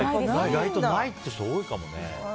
意外とないっていう人が多いかもね。